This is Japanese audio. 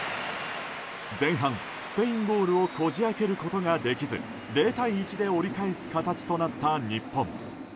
前半、スペインゴールをこじ開けることができず０対１で折り返す形となった日本。